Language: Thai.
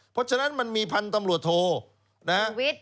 เพราะฉะนั้นมันมีพันธุ์ตำรวจโทนะฮะ